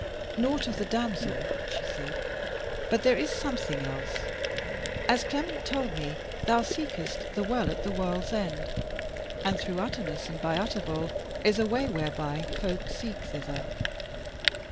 "Naught of the damsel," she said. "But there is something else. As Clement told me, thou seekest the Well at the World's End, and through Utterness and by Utterbol is a way whereby folk seek thither.